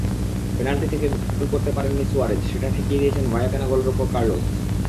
Penalty থেকে goal করতে পারেননি সুয়ারেজ, সেটা ঠেকিয়ে দিয়েছেন ভায়েকানো গোলরক্ষক কার্লোস।